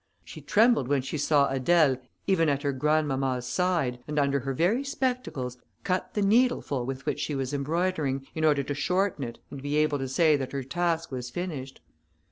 She trembled when she saw Adèle, even at her grandmamma's side, and under her very spectacles, cut the needleful with which she was embroidering, in order to shorten it, and be able to say that her task was finished.